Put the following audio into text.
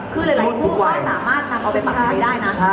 คือหลายผู้ก็สามารถนำเอาเป็นปัจจัยได้นะ